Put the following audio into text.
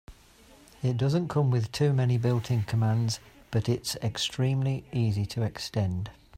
It doesn't come with too many built-in commands, but it's extremely easy to extend.